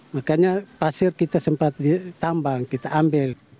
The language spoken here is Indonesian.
makanya pasir kita sempat ditambang kita ambil